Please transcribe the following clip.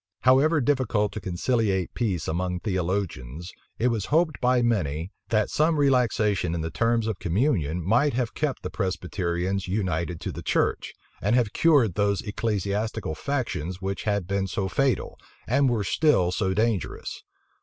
However difficult to conciliate peace among theologians, it was hoped by many, that some relaxation in the terms of communion might have kept the Presbyterians united to the church, and have cured those ecclesiastical factions which had been so fatal, and were still so dangerous.